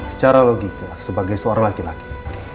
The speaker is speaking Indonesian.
secara logika sebagai seorang laki laki